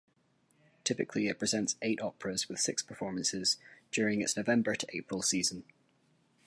Typically, it presents eight operas with six performances during its November to April season.